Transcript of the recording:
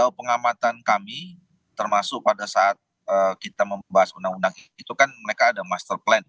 pengamatan kami termasuk pada saat kita membahas undang undang itu kan mereka ada master plan